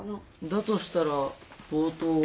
だとしたら冒頭は。